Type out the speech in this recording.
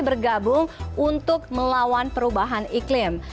bergabung untuk melawan perubahan iklim